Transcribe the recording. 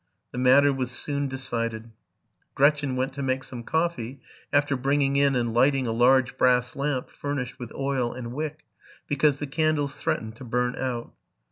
'The matter was soon decided: Gretchen went to make some coffee, after bringing in and lighting a large brass lamp, furnished with oil and wick, because the candles threatened to burn out.